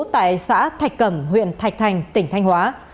tại xã thạch cẩm huyện thạch thành tỉnh thanh hóa